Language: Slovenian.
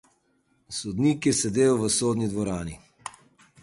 Sodnik je sedel v sodni dvorani.